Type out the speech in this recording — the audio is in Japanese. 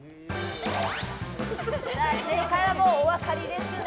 正解は、もうお分かりですね。